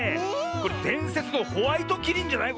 これでんせつのホワイトキリンじゃない？